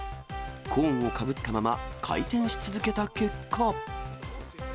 コーンをかぶったまま、回転し続けた結果。